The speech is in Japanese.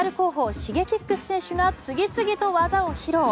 Ｓｈｉｇｅｋｉｘ選手が次々と技を披露。